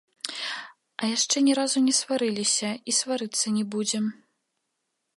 А яшчэ ні разу не сварыліся і сварыцца не будзем.